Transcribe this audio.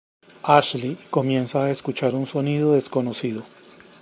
Ashley comienza a escuchar un sonido desconocido.